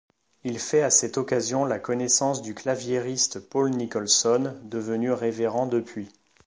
Il fait à cette occasion la connaissance du claviériste Paul Nicholson, devenu révérend depuis.